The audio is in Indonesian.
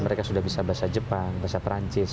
mereka sudah bisa bahasa jepang bahasa perancis